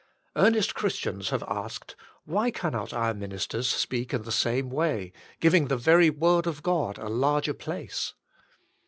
Earnest Christians have asked: "Why cannot our minis ters speak in the same way, giving the very word of God a larger place